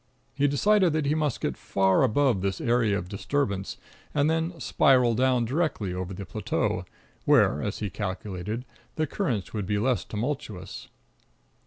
He decided that he must get far above this area of disturbance, and then spiral down directly over the plateau, where, as he calculated, the currents would be less tumultuous.